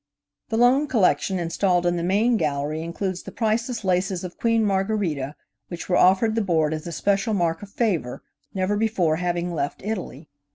The loan collection installed in the main gallery includes the priceless laces of Queen Margherita, which were offered the Board as a special mark of favor, never before having left Italy.